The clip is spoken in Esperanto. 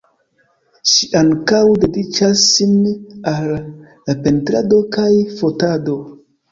Ŝi ankaŭ dediĉas sin al la pentrado kaj fotado.